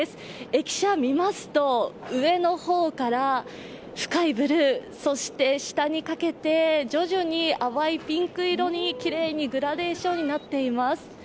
駅舎を見ますと、上の方から深いブルーそして下にかけて徐々に淡いピンク色にきれいにグラデーションになっています。